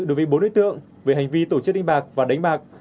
đối với bốn đối tượng về hành vi tổ chức đánh bạc và đánh bạc